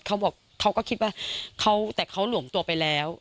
เขาบอกเขาก็คิดว่าเขาแต่เขาหลวมตัวไปแล้ว